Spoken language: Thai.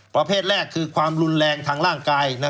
ประเภทแรกคือความรุนแรงทางร่างกาย